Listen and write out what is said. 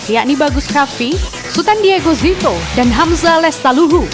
yakni bagus kavi sultan diego zito dan hamza lestaluhu